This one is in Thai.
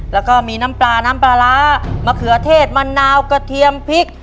แล้วก็มีน้ำปลาน้ำปลาร้ามะเขือเทศมะนาวกระเทียมพริก